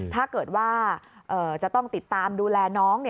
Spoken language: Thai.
ถ้าเกิดว่าจะต้องติดตามดูแลน้อง